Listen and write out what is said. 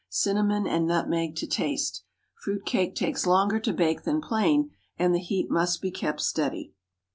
Cinnamon and nutmeg to taste. Fruit cake takes longer to bake than plain, and the heat must be kept steady.